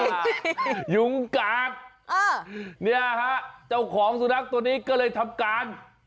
ฮะอ๊ะยุงกาดนี่ฮะเจ้าของสุนัขตัวนี้ก็เลยทำการ